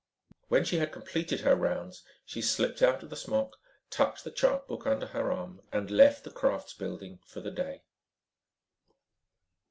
When she had completed her rounds, she slipped out of the smock, tucked the chart book under her arm and left the crafts building for the day.